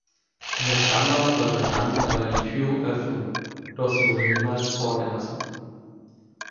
Ihr Stammbaum sollte Jeanne dabei die Türen öffnen, doch sie wurde niemals vorgelassen.